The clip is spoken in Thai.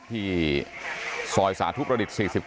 ที่ซอยสาธุประดิษฐ์๔๗